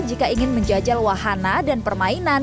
jika ingin menjajal wahana dan permainan